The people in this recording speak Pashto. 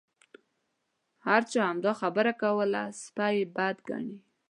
هر چا همدا خبره کوله سپي یې بد ګڼل.